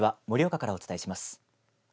盛岡からお伝えします。